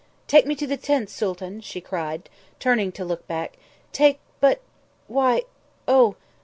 "Take me to the tents, Sooltan!" she cried, turning to look back. "Take but why oh!